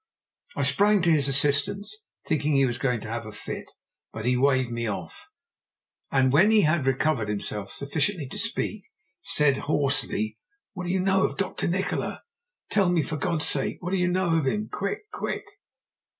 I sprang to his assistance, thinking he was going to have a fit, but he waived me off, and when he had recovered himself sufficiently to speak, said hoarsely "What do you know of Dr. Nikola? Tell me, for God's sake! what do you know of him? Quick, quick!"